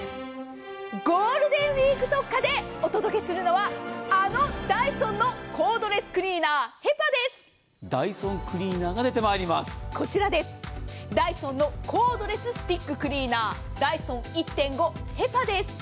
ゴールデンウイーク特価でお届けするのはあのダイソンのコードレスクリーナーダイソンクリーナーがダイソンのコードレススティッククリーナーダイソン１．５ｋｇＨＥＰＡです。